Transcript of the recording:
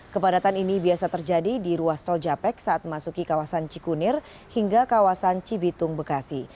kepadatan ini biasa terjadi di ruas tol japek saat memasuki kawasan cikunir hingga kawasan cibitung bekasi